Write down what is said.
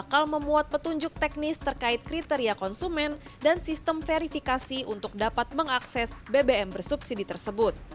bakal memuat petunjuk teknis terkait kriteria konsumen dan sistem verifikasi untuk dapat mengakses bbm bersubsidi tersebut